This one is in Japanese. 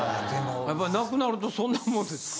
やっぱり無くなるとそんなもんですか？